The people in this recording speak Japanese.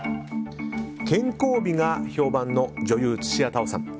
健康美が評判の女優・土屋太鳳さん。